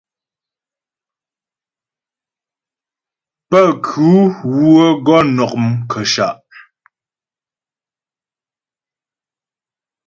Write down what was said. Pənkhʉ wə́ gɔ nɔ' mkəshâ'.